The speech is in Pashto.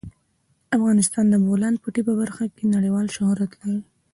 افغانستان د د بولان پټي په برخه کې نړیوال شهرت لري.